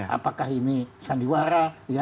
apakah ini sandiwara